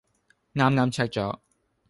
啱啱 check 咗